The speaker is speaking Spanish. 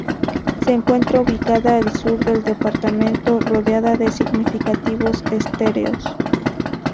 Se encuentra ubicada al sur del departamento, rodeada de significativos esteros.